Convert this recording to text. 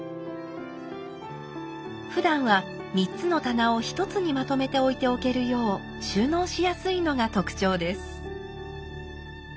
ふだんは３つの棚を一つにまとめて置いておけるよう収納しやすいのが特徴です。